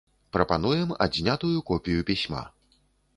Прапануем адзнятую копію пісьма.